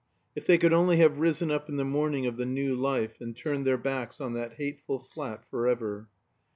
If they could only have risen up in the morning of the New Life, and turned their backs on that hateful flat forever!